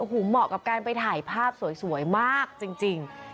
โอ้โหเหมาะกับการไปถ่ายภาพสวยมากจริง